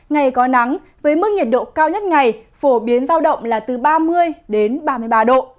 ngày có nắng với mức nhiệt độ cao nhất ngày phổ biến giao động là từ ba mươi đến ba mươi ba độ